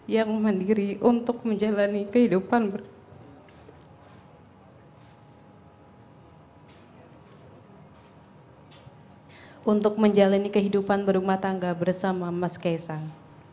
yang memandiri untuk menjalani kehidupan berumah tangga bersama mas kei sang